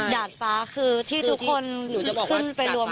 ดาดฟ้าคือที่ทุกคนขึ้นไปรวมกัน